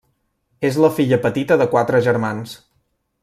És la filla petita de quatre germans.